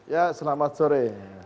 ya selamat sore